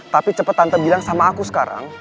tapi cepet tante bilang sama aku sekarang